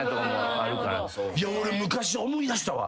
俺昔思い出したわ。